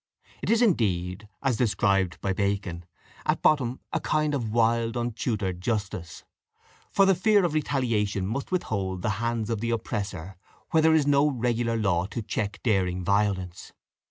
It is indeed, as described by Bacon, at bottom a kind of wild untutored justice; for the fear of retaliation must withhold the hands of the oppressor where there is no regular law to check daring violence.